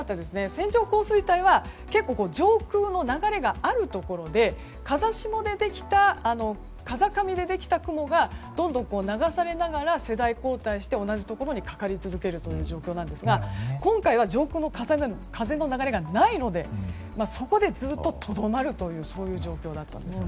線状降水帯は結構、上空の流れがあるところで風上でできた雲がどんどん流されながら世代交代して同じところにかかり続けるわけなんですが今回は上空の風の流れがないのでそこにずっととどまるという状況だったんです。